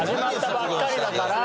始まったばっかりだから！